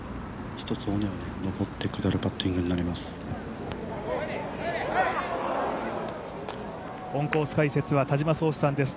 １つ尾根を上って下るパッティングになります。